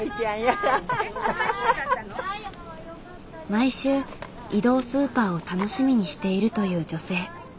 毎週移動スーパーを楽しみにしているという女性。